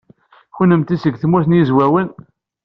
Kennemti seg Tmurt n Yizwawen?